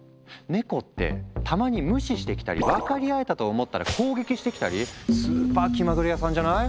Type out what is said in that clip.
ネコってたまに無視してきたり分かり合えたと思ったら攻撃してきたりスーパー気まぐれ屋さんじゃない？